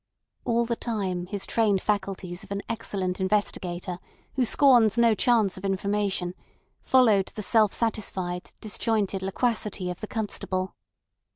All the time his trained faculties of an excellent investigator, who scorns no chance of information, followed the self satisfied, disjointed loquacity of the constable.